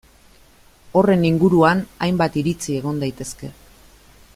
Horren inguruan hainbat iritzi egon daitezke.